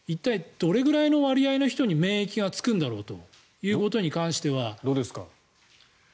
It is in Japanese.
どれくらいの割合の人に免疫がつくんだろうということに関しては。